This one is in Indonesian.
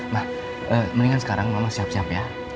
nah mendingan sekarang mama siap siap ya